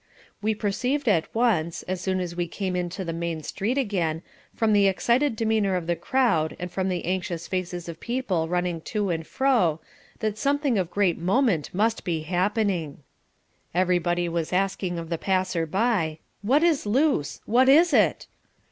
We perceived at once, as soon as we came into the main street again, from the excited demeanour of the crowd and from the anxious faces of people running to and fro that something of great moment must be happening. Everybody was asking of the passer by, "What is loose? What is it?"